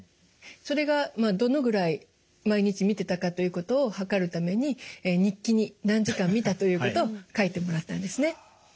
それがまあどのぐらい毎日見てたかということをはかるために日記に何時間見たということを書いてもらったんですね。